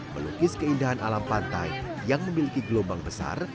melukis keindahan alam pantai yang memiliki gelombang besar